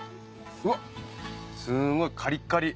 うわっすごいカリカリ。